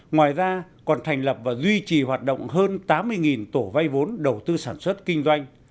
ngoài ra còn thành lập và duy trì hoạt động hơn tám mươi tổ vay vốn đầu tư sản xuất kinh doanh